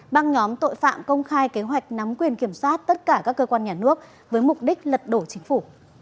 băng nhóm tội phạm công khai kế hoạch nắm quyền kiểm soát tất cả các cơ quan nhà nước với mục đích lật đổ chính phủ